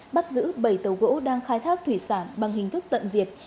bắt giữ bảy tàu gỗ đang khai thác thủy sản bằng hình thức tận diệt